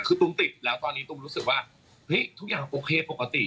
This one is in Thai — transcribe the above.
คือตุ้มติดแล้วตอนนี้ตุ้มรู้สึกว่าเฮ้ยทุกอย่างโอเคปกติ